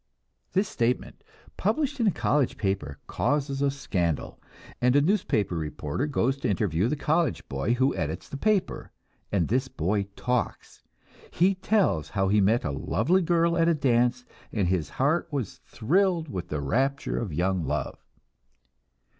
This statement, published in a college paper, causes a scandal, and a newspaper reporter goes to interview the college boy who edits the paper, and this boy talks. He tells how he met a lovely girl at a dance, and his heart was thrilled with the rapture of young love.